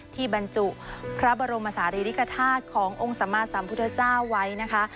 บรรจุพระบรมศาลีริกฐาตุขององค์สมาสัมพุทธเจ้าไว้นะคะ